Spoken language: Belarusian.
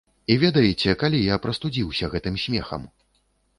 І ведаеце, калі я прастудзіўся гэтым смехам?